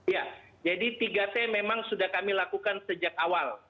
ya jadi tiga t memang sudah kami lakukan sejak awal